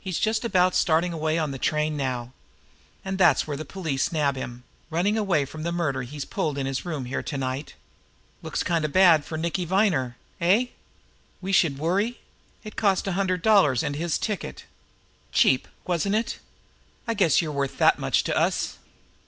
He's just about starting away on the train now. And that's where the police nab him running away from the murder he's pulled in his room here to night. Looks kind of bad for Nicky Viner eh? We should worry! It cost a hundred dollars and his ticket. Cheap, wasn't it? I guess you're worth that much to us."